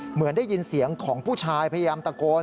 เหมือนได้ยินเสียงของผู้ชายพยายามตะโกน